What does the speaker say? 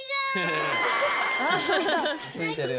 ついてるよ。